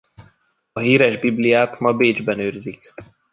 A híres bibliát ma Bécsben őrzik.